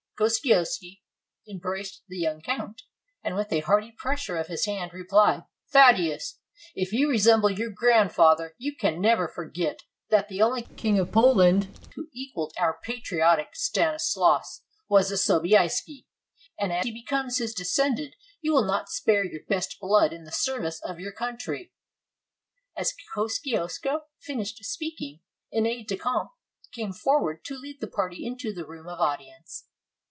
Kosciusko embraced the young count, and with a hearty pressure of his hand replied: "Thaddeus, if you resemble your grandfather, you can never forget that the only king of Poland who equaled our patriotic Stan islaus was a Sobieski; and as becomes his descendant, you will not spare your best blood in the service of your country." As Kosciusko finished speaking, an aide de camp came forward to lead the party into the room of audience.